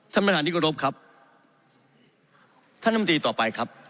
ท่านประธานที่กรบครับท่านลำตีต่อไปครับ